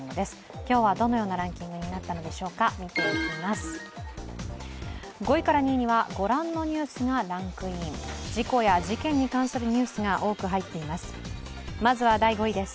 今日はどのようなランキングになったのでしょうか見ていきます。